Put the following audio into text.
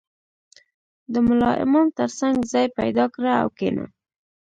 • د ملا امام تر څنګ ځای پیدا کړه او کښېنه.